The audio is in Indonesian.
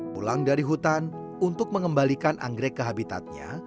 pulang dari hutan untuk mengembalikan anggrek ke habitatnya